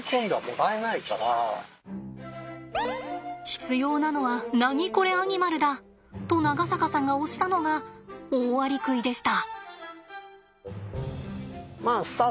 必要なのはナニコレアニマルだ！と長坂さんが推したのがオオアリクイでした。